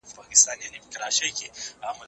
زه به د لوبو لپاره وخت نيولی وي؟